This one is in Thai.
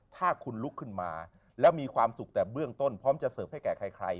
ถ้าคุณลุกขึ้นมาแล้วมีความสุขแต่เบื้องต้นพร้อมจะเสิร์ฟให้แก่ใคร